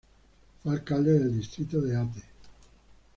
Fue Alcalde del Distrito de Ate.